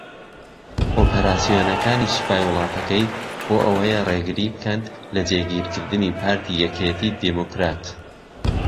ئۆپەراسیۆنەکانی سوپای وڵاتەکەی بۆ ئەوەیە رێگری بکەن لە جێگیرکردنی پارتی یەکێتی دیموکرات